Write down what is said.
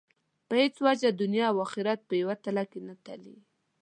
په هېڅ وجه دنیا او آخرت په یوه تله کې نه تلي.